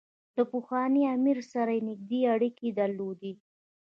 له پخواني امیر سره یې نېږدې اړیکې درلودې.